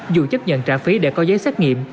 dù chấp nhận trả phí để có giấy xét nghiệm